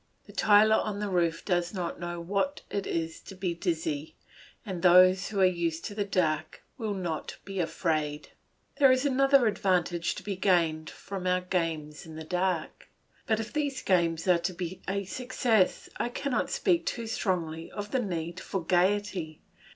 The tiler on the roof does not know what it is to be dizzy, and those who are used to the dark will not be afraid. There is another advantage to be gained from our games in the dark. But if these games are to be a success I cannot speak too strongly of the need for gaiety.